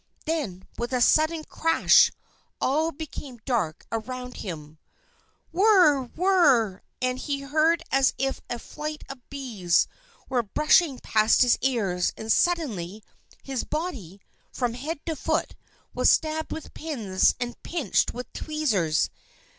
Then, with a sudden crash, all became dark around him. "Whirr! Whirr! Whirr!" and he heard as if a flight of bees were brushing past his ears, and suddenly, his body, from head to foot, was stabbed with pins and pinched with tweezers.